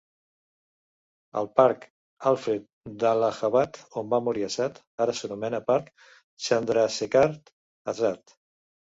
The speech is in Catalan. El Parc Alfred d'Allahabad, on va morir Azad, ara s'anomena Parc Chandrashekhar Azad.